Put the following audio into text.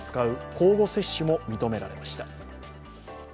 交互接種も認められました。